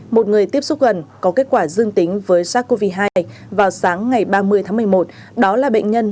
một người tiếp xúc gần có kết quả dương tính với sars cov hai vào sáng ngày ba mươi tháng một mươi một đó là bệnh nhân một nghìn ba trăm bốn mươi bảy